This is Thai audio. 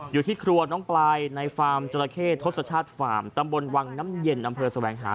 อยู่ที่ครัวน้องปลายในฟาร์มจราเข้ทศชาติฟาร์มตำบลวังน้ำเย็นอำเภอแสวงหา